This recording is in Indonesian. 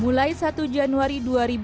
mulai satu januari dua ribu dua puluh